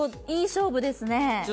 いい勝負ですね。